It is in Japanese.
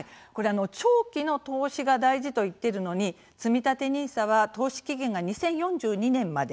「長期の投資が大事」といっているのにつみたてＮＩＳＡは投資期限が２０４２年まで。